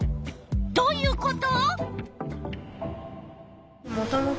どういうこと？